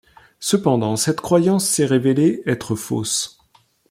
Cependant, cette croyance s'est révélée être fausse.